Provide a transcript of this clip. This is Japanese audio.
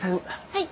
はい。